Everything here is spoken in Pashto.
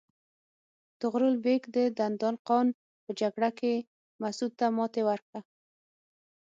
طغرل بیګ د دندان قان په جګړه کې مسعود ته ماتې ورکړه.